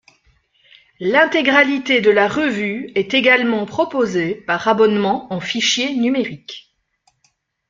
L'intégralité de la revue est également proposée par abonnement en fichiers numériques.